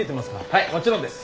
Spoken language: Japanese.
はいもちろんです。